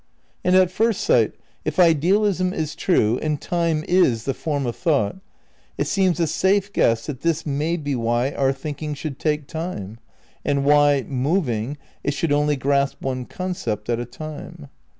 And at first sight, if ideahsm is true and time is the form of thought, it seems a safe guess that this may be why our thinking should take time, and why, moving, it should only grasp one concept at a time.